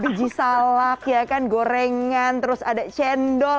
biji salak ya kan gorengan terus ada cendol